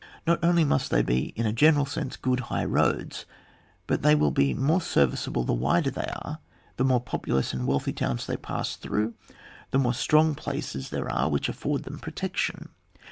Not only must they be in a general sense good high roads, but they will be the more serviceable the wider they are, the more popxdous and wealthy towns they pass through, the more strong places there are which afford them protection.